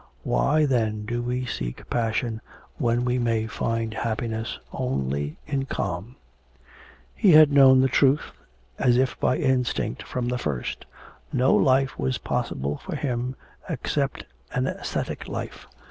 Why then do we seek passion when we may find happiness only in calm?' He had known the truth, as if by instinct, from the first. No life was possible for him except an ascetic life.